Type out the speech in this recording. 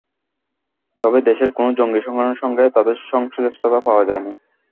তবে দেশের কোনো জঙ্গি সংগঠনের সঙ্গে তাঁদের সংশ্লিষ্টতা পাওয়া যায়নি।